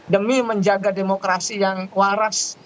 demi menjaga demokrasi yang waras